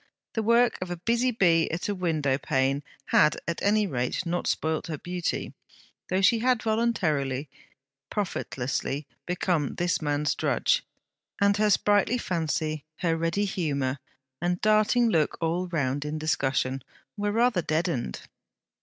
The work of busy bee at a window pane had at any rate not spoilt her beauty, though she had voluntarily, profitlessly, become this man's drudge, and her sprightly fancy, her ready humour and darting look all round in discussion, were rather deadened.